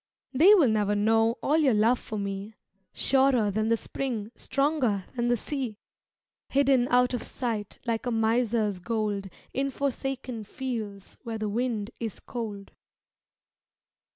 They will never know All your love for me Surer than the spring, Stronger than the sea; Hidden out of sight Like a miser's gold In forsaken fields Where the wind is cold.